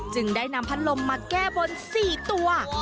จึงได้นำพัดลมมาแก้บน๔ตัว